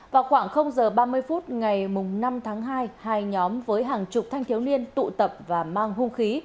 vào khoảng giờ ba mươi phút ngày năm tháng hai hai nhóm với hàng chục thanh thiếu niên tụ tập và mang hung khí